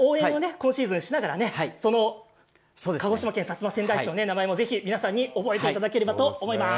今シーズンしながらねその鹿児島県薩摩川内市の名前もぜひ皆さんに覚えていただければと思います。